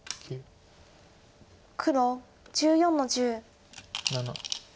黒１４の十。